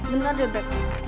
eh eh bentar deh back